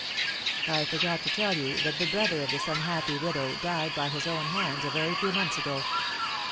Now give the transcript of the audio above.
"I forgot to tell you that the brother of this unhappy widow died by his own hands a very few months ago."